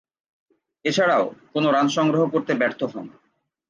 এছাড়াও, কোন রান সংগ্রহ করতে ব্যর্থ হন।